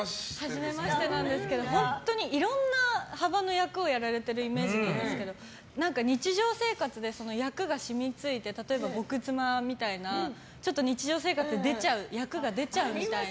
はじめましてなんですけど本当にいろんな幅の役をやられているイメージなんですが日常生活で役が染みついて例えば「極妻」みたいな日常生活に役が出ちゃうみたいな。